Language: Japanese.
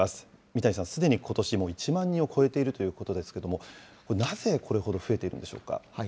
三谷さん、ことしすでにもう１万人を超えているということですけども、なぜこれほど増えているんでしょうか？